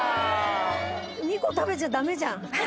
２個食べちゃダメじゃん。